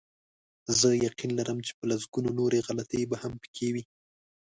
زه یقین لرم چې په لسګونو نورې غلطۍ به هم پکې وي.